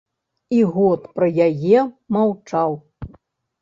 І год пра яе маўчаў.